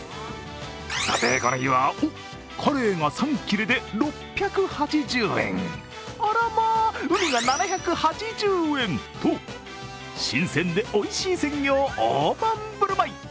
この日は、カレイが３切れで６８０円、あらま、ウニが７８０円と新鮮でおいしい鮮魚を大盤振る舞い。